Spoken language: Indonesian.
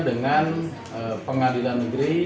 dengan pengadilan pemerintah